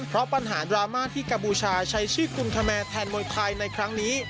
เพราะปัญหาดราม่าที่กัมพูชาใช้ชื่อกุมธแมร์แทนมวยไทยในครั้งนี้